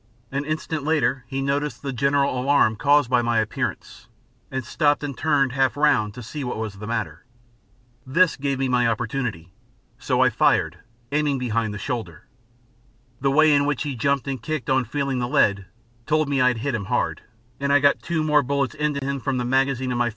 An instant later, he noticed the general alarm caused by my appearance, and stopped and turned half round to see what was the matter. This gave me my opportunity, so I fired, aiming behind the shoulder. The way in which he jumped and kicked on feeling the lead told me I had hit him hard, and I got two more bullets into him from the magazine of my